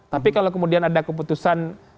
tapi kalau kemudian ada keputusan